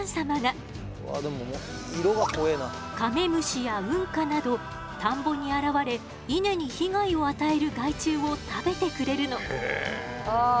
カメムシやウンカなど田んぼに現れ稲に被害を与える害虫を食べてくれるの。